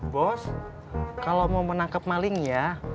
bos kalau mau menangkap maling ya